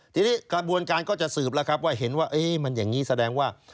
ทีนี้กระบวนการก็จะสืบแล้วครับว่าเห็นว่ามันอย่างนี้แสดงว่า